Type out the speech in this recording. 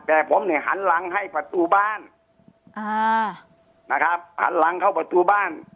แต่ผมเนี่ยหันหลังให้ประตูบ้านอ่านะครับหันหลังเข้าประตูบ้าน